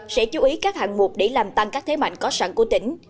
sẽ chú ý các hạng mục để làm tăng các thế mạnh có sẵn của tỉnh